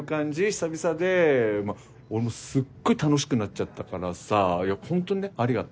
久々で俺もすっごい楽しくなっちゃったからさほんとにねありがと。